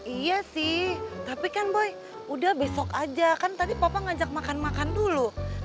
iya sih tapi kan boy udah besok aja kan tadi papa ngajak makan makan dulu